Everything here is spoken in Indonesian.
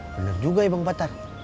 bener juga ya bang patar